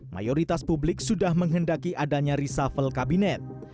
mayoritas publik sudah menghendaki adanya reshuffle kabinet